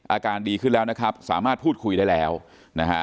อาการดีขึ้นแล้วนะครับสามารถพูดคุยได้แล้วนะฮะ